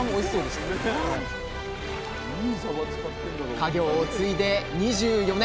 家業を継いで２４年。